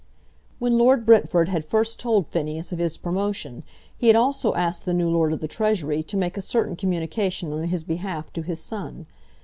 When Lord Brentford had first told Phineas of his promotion, he had also asked the new Lord of the Treasury to make a certain communication on his behalf to his son.